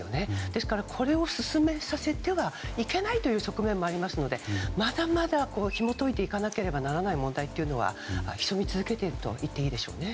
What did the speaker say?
ですから、これを進めさせてはいけないという側面もありますのでまだまだひも解いていかないといけない問題は潜み続けていると言っていいでしょうね。